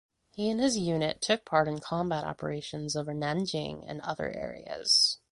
He and his unit took part in combat operations over Nanjing and other areas.